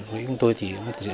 với chúng tôi thì